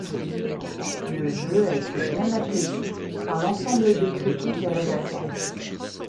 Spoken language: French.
Le jeu a été bien accueilli par l'ensemble des critiques et rédactions.